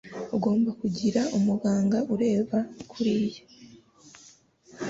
Ugomba kugira umuganga ureba kuriya.